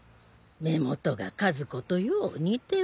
目元が和子とよう似ておる。